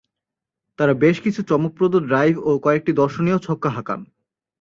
তারা বেশ কিছু চমকপ্রদ ড্রাইভ ও কয়েকটি দর্শনীয় ছক্কা হাঁকান।